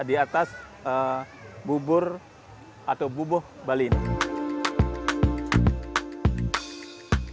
ini adalah alasan bubur atau buboh bali ini